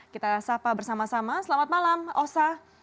kita sapa bersama sama selamat malam osa